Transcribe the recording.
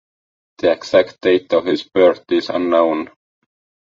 The exact date of his birth is unknown.